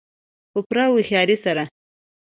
په پوره هوښیارۍ سره.